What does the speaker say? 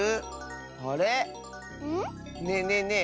あれ⁉ねえねえねえ